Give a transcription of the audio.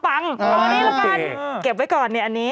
ตรงนี้ละกันเก็บไว้ก่อนเนี่ยอันนี้